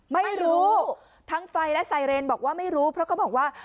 ไม่รู้ทั้งไฟและไซเรนบอกว่าไม่รู้เพราะเขาบอกว่า